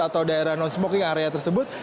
atau daerah non smoking area tersebut